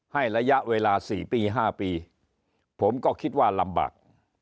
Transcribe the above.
ระยะเวลา๔ปี๕ปีผมก็คิดว่าลำบาก